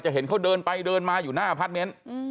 จะเห็นเขาเดินไปเดินมาอยู่หน้าพลาดเม้น